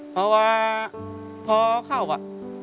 เพราะว่าพอเข้าอ่ะ